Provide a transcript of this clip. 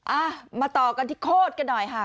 อ่ะมาต่อกันที่โคตรกันหน่อยค่ะ